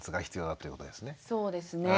そうですね。